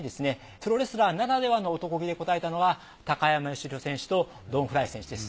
プロレスラーならではの男気で応えたのが高山善廣選手とドン・フライ選手です。